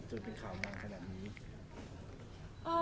จนเป็นข่าวมาขนาดนี้